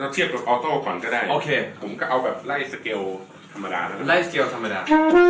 เทียบกับอัลโต้ก่อนก็ได้ผมก็เอาไล่สเกลธรรมดา